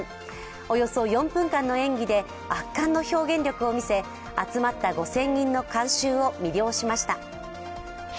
およそ４分間の演技で圧巻の表現力を見せ、集まった５０００人の観衆を魅了しました。